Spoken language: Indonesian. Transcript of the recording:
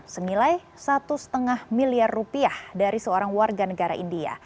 senilai satu lima miliar rupiah dari seorang warga negara india